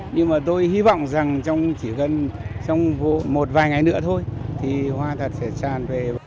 nhưng mà tôi hy vọng rằng chỉ gần trong một vài ngày nữa thôi thì hoa thật sẽ tràn về